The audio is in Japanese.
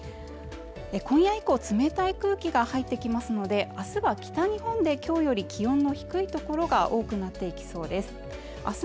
今夜以降冷たい空気が入ってきますのであすは北日本できょうより気温の低い所が多くなっていきそうです